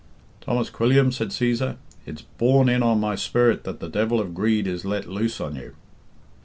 "Thomas Quilliam," said Cæsar, "it's borne in on my spirit that the devil of greed is let loose on you."